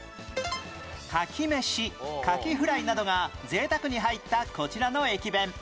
かき飯カキフライなどが贅沢に入ったこちらの駅弁